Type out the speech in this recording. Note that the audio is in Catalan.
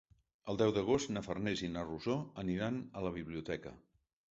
El deu d'agost na Farners i na Rosó aniran a la biblioteca.